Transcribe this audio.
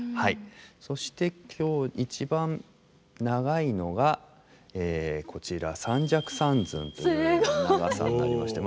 そして今日一番長いのがこちら三尺三寸という長さになりまして。